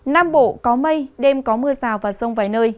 nam bộ có mây đêm có mưa rào và rông vài nơi